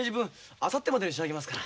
あさってまでに仕上げますから。